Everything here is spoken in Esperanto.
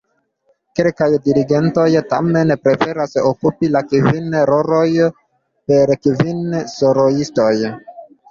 Kelkaj dirigentoj tamen preferas okupi la kvin rolojn per kvin soloistoj.